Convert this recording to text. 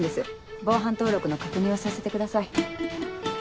防犯登録の確認をさせてください。